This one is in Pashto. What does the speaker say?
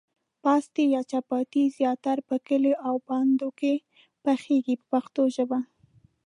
پاستي یا چپاتي زیاتره په کلیو او بانډو کې پخیږي په پښتو ژبه.